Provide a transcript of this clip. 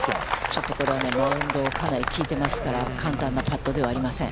ちょっとこれはマウンドかなりきいてますから、簡単なパットではありません。